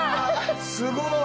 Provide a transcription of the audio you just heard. すごい！